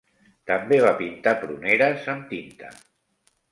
També va pintar pruneres amb tinta.